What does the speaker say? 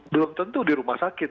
belum tentu di rumah sakit